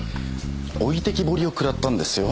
置いてきぼりを食らったんですよ。